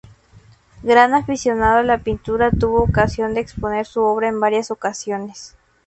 Gran aficionada a la pintura tuvo ocasión de exponer su obra en varias ocasiones.